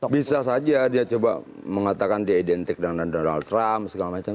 bisa saja dia coba mengatakan dia identik dengan donald trump segala macam